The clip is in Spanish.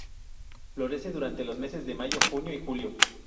Florece durante los meses de mayo, junio y julio.